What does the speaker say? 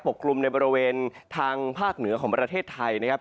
กลุ่มในบริเวณทางภาคเหนือของประเทศไทยนะครับ